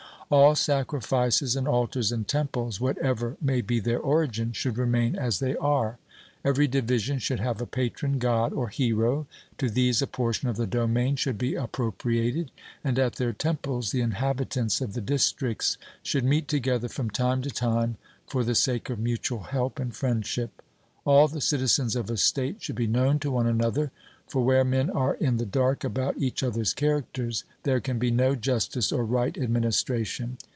All sacrifices, and altars, and temples, whatever may be their origin, should remain as they are. Every division should have a patron God or hero; to these a portion of the domain should be appropriated, and at their temples the inhabitants of the districts should meet together from time to time, for the sake of mutual help and friendship. All the citizens of a state should be known to one another; for where men are in the dark about each other's characters, there can be no justice or right administration.